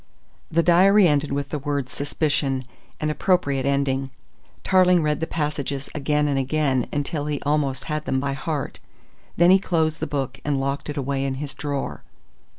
The diary ended with the word "suspicion," an appropriate ending. Tarling read the passages again and again until he almost had them by heart. Then he closed the book and locked it away in his drawer.